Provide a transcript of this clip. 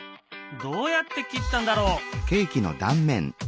どうやって切ったんだろう？